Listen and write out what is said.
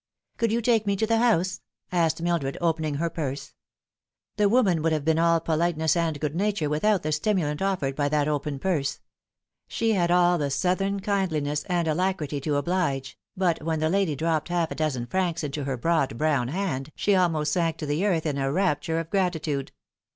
" Could you take me to the house ?" asked Mildred, opening her purse. The woman would have been all politeness and good nature without the stimulant offered by that open purse. She had c.11 the southern kindliness and alacrity to oblige, but when the la"y dropped half a dozen francs into her broad brown hand she almost sank to the earth in a rapture of gratitude.